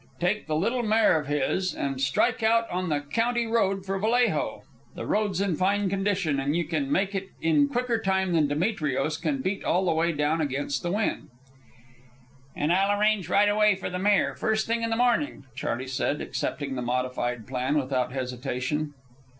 Take the little mare of his, and strike out on the county road for Vallejo. The road's in fine condition, and you can make it in quicker time than Demetrios can beat all the way down against the wind." "And I'll arrange right away for the mare, first thing in the morning," Charley said, accepting the modified plan without hesitation.